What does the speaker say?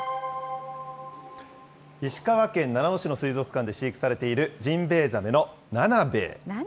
石川県七尾市の水族館で飼育されているジンベエザメのナナベエ。